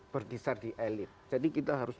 berkisar di elit jadi kita harus